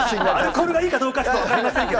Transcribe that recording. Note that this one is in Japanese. これがいいかどうかは分かりませんけど。